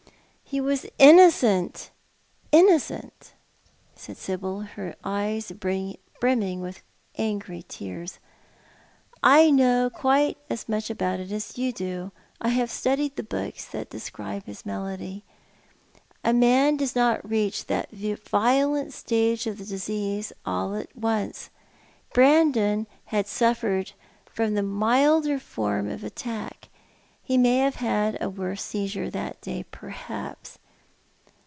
" He was innocent— innocent !"' said Sibyl, her eyes brimming with angry tears. " I know quite as much about it as you do. I have studied the books that describe his malady. A man does not reach that violent stage of the disease all at once. Brandon had only suffered from the milder form of attack. He may have had a worse seizure that day, perhaps.